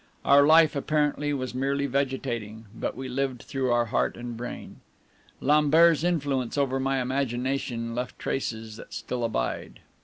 Our life, apparently, was merely vegetating; but we lived through our heart and brain. Lambert's influence over my imagination left traces that still abide.